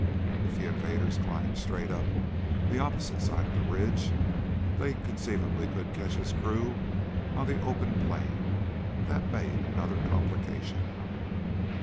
If the invaders climbed straight up the opposite side of the ridge, they conceivably could catch his crew on the open plain. That made another complication.